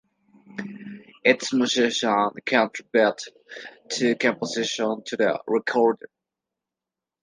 Each musician contributed two compositions to the recording.